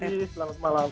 terima kasih selamat malam